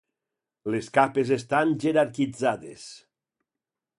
Les capes estan jerarquitzades.